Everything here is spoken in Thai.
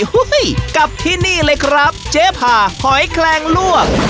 กับที่นี่เลยครับเจ๊พาหอยแคลงล่วง